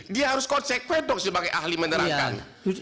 dia harus konsekven dong sebagai ahli menerangkan